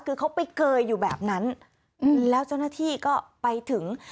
คือเขาไปเกยอยู่แบบนั้นแล้วเจ้าหน้าที่ก็ไปถึง